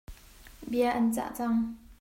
Bia an chah cang.